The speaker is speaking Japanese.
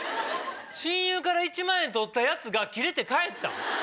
親友から一万円取った奴がキレて帰った。